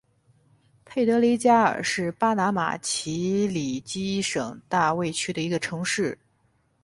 佩德雷加尔是巴拿马奇里基省大卫区的一个城市。